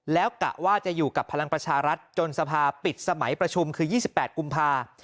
แล้วกะว่าจะอยู่กับพลังประชารัฐจนสภาปิดสมัยประชุมคือ๒๘กุมภา